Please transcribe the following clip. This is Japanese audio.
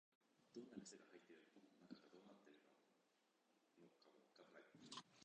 どんな店が入っているのかも、中がどうなっているのかもわからない